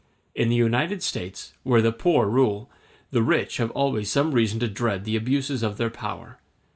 In the United States, where the poor rule, the rich have always some reason to dread the abuses of their power.